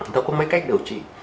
nó có mấy cách điều trị